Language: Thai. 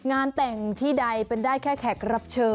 งานแต่งที่ใดเป็นได้แค่แขกรับเชิญ